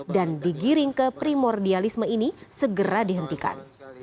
dan digiring ke primordialisme ini segera dihentikan